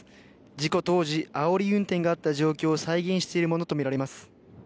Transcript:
事故当時、あおり運転があった状況を再現しているものとみられます。